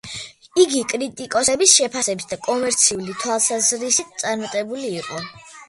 იგი კრიტიკოსების შეფასების და კომერციული თვალსაზრისით, წარმატებული იყო.